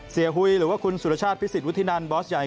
หุยหรือว่าคุณสุรชาติพิสิทธวุฒินันบอสใหญ่